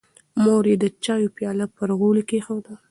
مور یې د چایو پیاله پر غولي کېښوده.